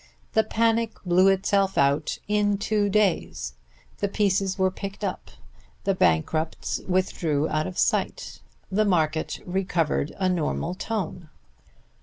The panic blew itself out in two days, the pieces were picked up, the bankrupts withdrew out of sight; the market "recovered a normal tone."